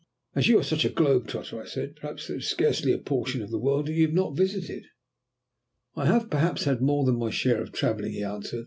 "As you are such a globe trotter," I said, "I suppose there is scarcely a portion of the world that you have not visited?" "I have perhaps had more than my share of travelling," he answered.